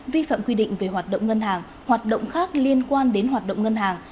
vi phạm quy định về hoạt động ngân hàng hoạt động khác liên quan đến hoạt động ngân hàng